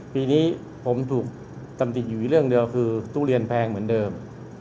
ปีนี้ผมถูกตำหนิอยู่เรื่องเดียวคือทุเรียนแพงเหมือนเดิม